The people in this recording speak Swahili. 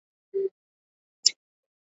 Unyonyaji wa maziwa mengi